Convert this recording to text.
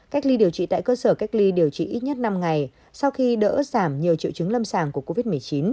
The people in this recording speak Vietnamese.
cách ly điều trị tại cơ sở cách ly điều trị ít nhất năm ngày sau khi đỡ giảm nhiều triệu chứng lâm sàng của covid một mươi chín